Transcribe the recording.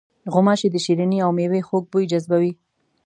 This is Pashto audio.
غوماشې د شریني او میوې خوږ بوی جذبوي.